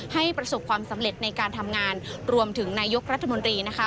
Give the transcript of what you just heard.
ประสบความสำเร็จในการทำงานรวมถึงนายกรัฐมนตรีนะคะ